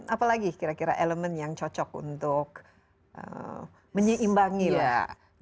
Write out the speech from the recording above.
apalagi kira kira elemen yang cocok untuk menyeimbangi lah logam yang keras ini